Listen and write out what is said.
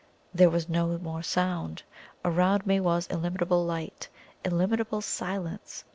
There was no more sound. Around me was illimitable light illimitable silence.